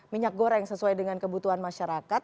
minyak goreng sesuai dengan kebutuhan masyarakat